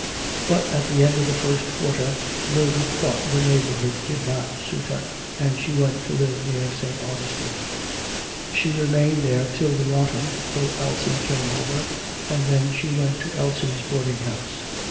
But, at the end of the first quarter, Mildred thought the neighbourhood did not suit her, and she went to live near St. Augustine. She remained there till the autumn, till Elsie came over, and then she went to Elsie's boarding house.